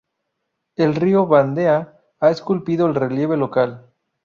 El río Vandea ha esculpido el relieve local.